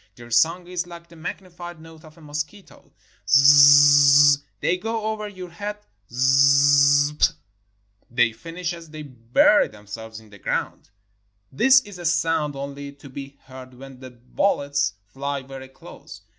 Their song is like the magnified note of a mosquito. "Z — 3 — 2 — z — s" — they go over your head; "s — z — z — 2 —/>"— they finish as they bury themselves in the ground. This is a sound only to be heard when the bul lets fly very close.